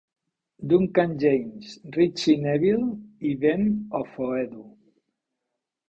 Duncan James, Ritchie Neville i Ben Ofoedu.